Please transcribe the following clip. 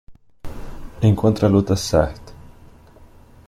Encontre a luta certa